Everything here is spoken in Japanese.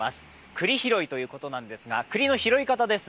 栗拾いということですが、栗の拾い方です。